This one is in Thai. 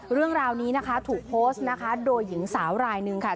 เรื่องราวนี้นะคะถูกโพสต์นะคะโดยหญิงสาวรายหนึ่งค่ะ